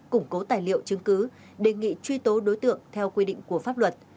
củng cố tài liệu chứng cứ đề nghị truy tố đối tượng theo quy định của pháp luật